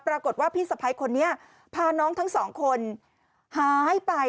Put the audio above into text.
ปรากฏว่าพี่สะพ้ายคนนี้พาน้องทั้งสองคนหายไป